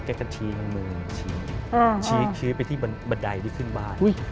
แกก็ชี้มือชี้ไปที่บันไดที่ขึ้นบ้าน